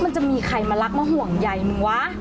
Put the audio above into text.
มันจะมีใครมารักมาห่วงใยมึงวะ